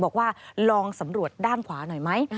บอกว่าลองสำรวจด้านขวาหน่อยไหม